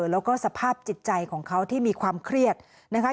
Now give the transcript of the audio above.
แล้วก็สภาพจิตใจของเขาที่มีความเครียดนะคะ